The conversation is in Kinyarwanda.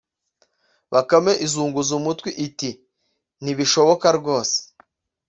” Bakame izunguza umutwe iti “Ntibishoboka rwose